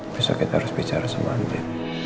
besok kita harus bicara sama andi